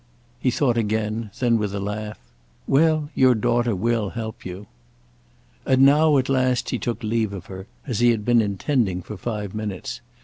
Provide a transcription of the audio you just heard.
He thought again; then with a laugh: "Well, your daughter will help you." And now at last he took leave of her, as he had been intending for five minutes.